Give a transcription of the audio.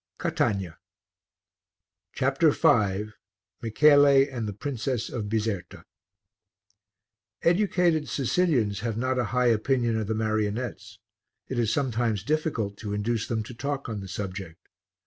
CATANIA CHAPTER V MICHELE AND THE PRINCESS OF BIZERTA Educated Sicilians have not a high opinion of the marionettes; it is sometimes difficult to induce them to talk on the subject.